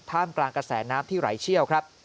กลางกระแสน้ำที่ไหลเชี่ยวครับ